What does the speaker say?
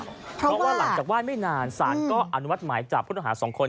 เพราะว่าหลังจากแว่นไม่นานศาลก็อันวัดไม้จับคุณอาหารสองคน